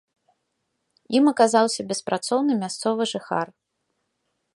Ім аказаўся беспрацоўны мясцовы жыхар.